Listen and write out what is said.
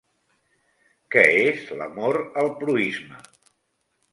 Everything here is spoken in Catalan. Què és l'amor al proïsme?